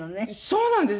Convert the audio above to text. そうなんです！